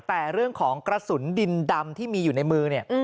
แต่เรื่องของกระสุนดินดำที่มีอยู่ในมือเนี่ย